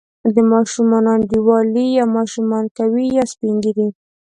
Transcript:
د ماشومانو انډیوالي یا ماشومان کوي، یا سپین ږیري.